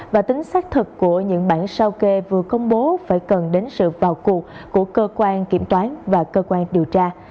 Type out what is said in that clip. và tính xác thực của những bản sao kê vừa công bố phải cần đến sự vào cuộc của cơ quan kiểm toán và cơ quan điều tra